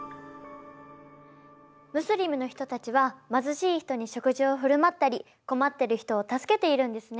ムスリムの人たちは貧しい人に食事をふるまったり困っている人を助けているんですね。